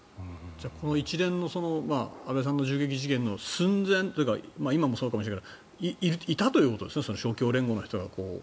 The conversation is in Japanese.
この一連の安倍さんの銃撃事件の寸前というか今もそうかもしれないけどいたということですね勝共連合の人たちが。